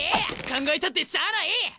考えたってしゃあない！